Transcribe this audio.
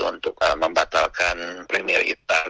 untuk membatalkan premier iftar